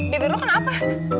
bibir lu kenapa